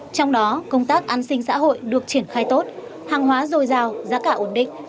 trong đó công tác an sinh xã hội được triển khai tốt hàng hóa dồi dào giá cả ổn định